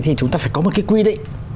thì chúng ta phải có một cái quy định